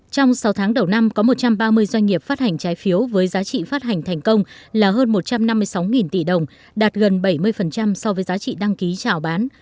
trong sáu tháng đầu năm có một trăm ba mươi doanh nghiệp phát hành trái phiếu với giá trị phát hành thành công là hơn một trăm năm mươi sáu tỷ đồng đạt gần bảy mươi so với giá trị đăng ký trảo bán